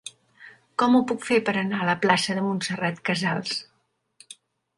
Com ho puc fer per anar a la plaça de Montserrat Casals?